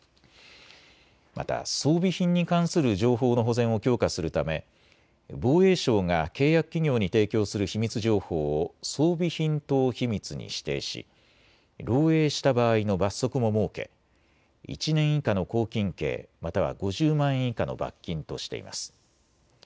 また装備品に関する情報の保全を強化するため防衛省が契約企業に提供する秘密情報を装備品等秘密に指定し漏えいした場合の罰則も設け１年以下の拘禁刑、または５０万円以下の罰金としています。